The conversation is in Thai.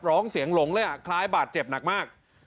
ร้องเสียงหลงเลยอ่ะคล้ายบาดเจ็บหนักมาก